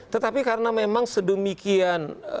tetapi karena memang sedemikian